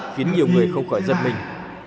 khiến nhiều người không khỏi giận mình